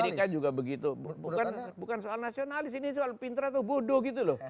kpk juga begitu bukan soal nasionalis ini soal pinter atau bodoh gitu loh